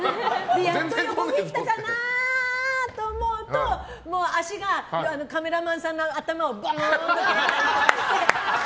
やっと横切ったかなと思うともう足がカメラマンさんの頭をごーんって。